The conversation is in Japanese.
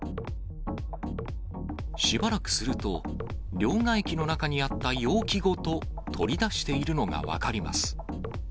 しばらくすると、両替機の中にあった容器ごと、取り出しているのが分かります。